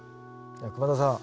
熊澤さん